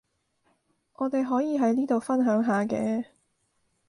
我哋可以喺呢度分享下嘅